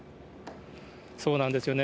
そうなんですよね。